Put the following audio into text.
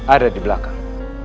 ada di belakang